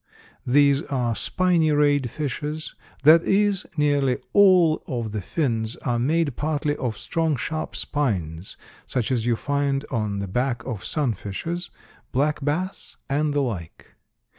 These are spiny rayed fishes; that is, nearly all of the fins are made partly of strong, sharp spines, such as you find on the back of sunfishes, black bass and the like.